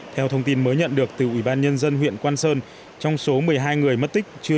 theo thông tin mới nhận được từ ủy ban nhân dân huyện quang sơn trong số một mươi hai người mất tích chưa